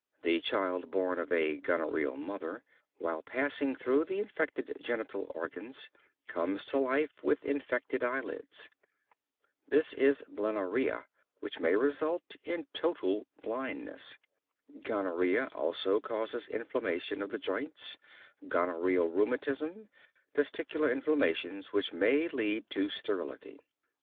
The child born of a gonorrheal mother, while passing through the infected genital organs, comes to life with infected eyelids. This is Blennorrhea, which may result in total blindness. Gonorrhea also causes inflammation of the joints, gonorrheal rheumatism, testicular inflammations which may lead to sterility.